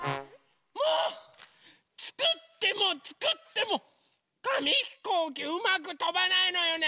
もうつくってもつくってもかみひこうきうまくとばないのよね。